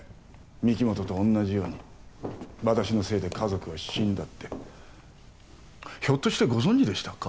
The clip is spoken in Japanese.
御木本と同じように私のせいで家族は死んだってひょっとしてご存じでしたか？